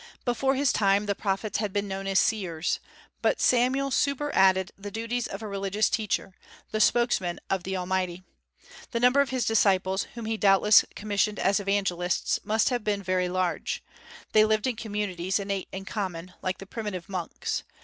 Before his time the prophets had been known as seers; but Samuel superadded the duties of a religious teacher, the spokesman of the Almighty. The number of his disciples, whom he doubtless commissioned as evangelists, must have been very large. They lived in communities and ate in common, like the primitive monks.